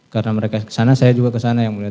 karena mereka kesana saya juga kesana yang mulia